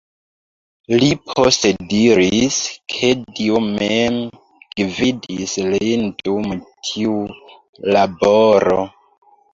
Li poste diris, ke Dio mem gvidis lin dum tiu laboro.